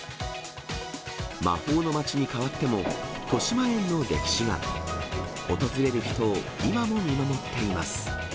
魔法の街に変わっても、としまえんの歴史が、訪れる人を今も見守っています。